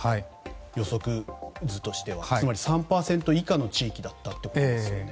予測図としては。つまり３％以下の地域だったということですよね。